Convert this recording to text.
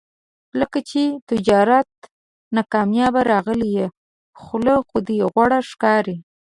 لکه چې تجارت نه کامیاب راغلی یې، خوله خو دې غوړه ښکاري.